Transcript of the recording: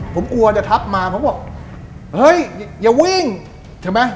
ผมกลัวจะทักมาผมบอกเฮ้ยอย่าวิ่งใช่ไหม